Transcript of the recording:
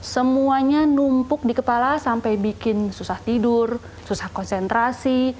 semuanya numpuk di kepala sampai bikin susah tidur susah konsentrasi